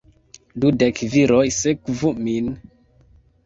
Dudek viroj sekvu min!